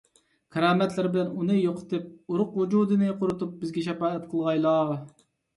كارامەتلىرى بىلەن ئۇنى يوقىتىپ، ئۇرۇق - ۋۇجۇدىنى قۇرۇتۇپ، بىزگە شاپائەت قىلغايلا.